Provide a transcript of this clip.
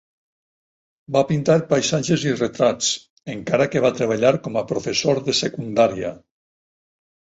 Va pintar paisatges i retrats, encara que va treballar com a professor de secundària.